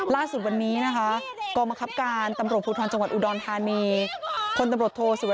ลูกชายของลูกหนี้แล้วยังเด็ก